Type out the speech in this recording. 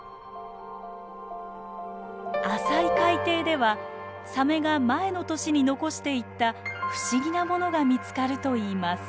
浅い海底ではサメが前の年に残していった不思議なものが見つかるといいます。